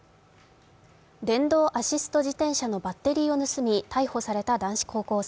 電動アシスト自転車のバッテリーを盗み逮捕された高校生。